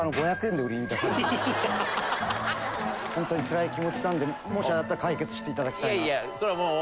で売りに出されてホントにつらい気持ちなんでもしあれだったら解決していただきたいな。